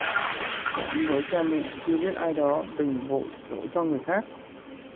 Hỗn với cha mẹ, chưa biết ai đó, đừng vội đổ cho người khác